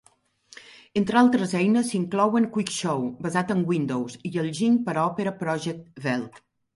Entre altres eines s'inclouen QuickShow, basat en Windows, i el giny per a Opera Project Velt.